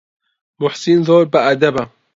موحسین زۆر بەئەدەبە.